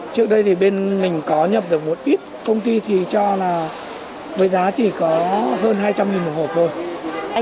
trước đây thì bên mình có nhập được một ít công ty thì cho là với giá chỉ có hơn hai trăm linh một hộp thôi